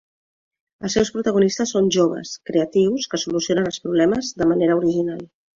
Els seus protagonistes són joves creatius que solucionen els problemes de manera original.